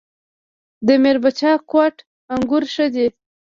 د میربچه کوټ انګور ښه دي